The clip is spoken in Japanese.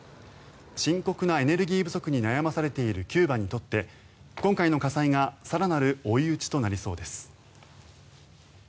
深刻なエネルギー不足に悩まされているキューバにとって今回の火災が更なる追い打ちとなりそうです。